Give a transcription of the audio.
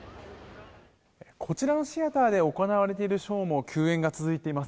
こちらのシアターで行われているショーも休演が続いています。